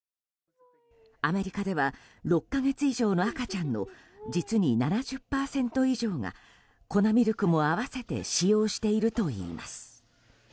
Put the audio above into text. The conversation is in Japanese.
アメリカでは６か月以上の赤ちゃんの、実に７０％以上が粉ミルクも併せて使用しているといいます。